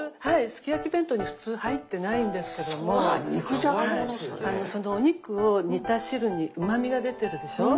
すき焼き弁当に普通入ってないんですけどもそのお肉を煮た汁にうまみが出てるでしょ？